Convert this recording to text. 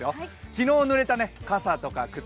昨日ぬれた傘とか靴